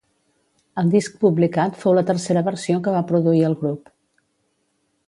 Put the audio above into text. El disc publicat fou la tercera versió que va produir el grup.